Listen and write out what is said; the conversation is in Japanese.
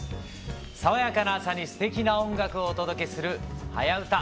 爽やかな朝にすてきな音楽をお届けする「はやウタ」